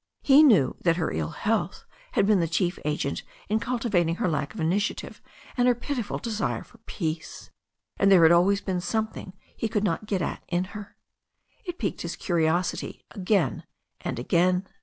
He knew that her ill health had been the chief agent in cultivating her lack of initiative and her pitiful desire for peace, but there had always been some thing he could not get at in her. It had piqued his curiosity again and again.